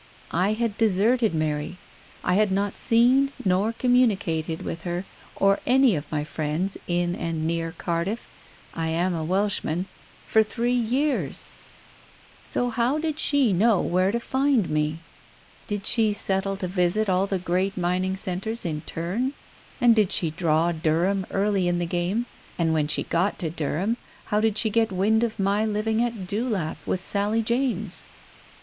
I had deserted Mary — I had not seen nor communicated with her or any of my old friends in and ne&r Cardiff — I am a Welshman — for three years ! So how did she know where to find me ? Did she settle to visit all the great mining centres in turn ? And did she draw Durham early in the game, and when she got to Durham, how did she get wind of my living at Dewlap with Sally James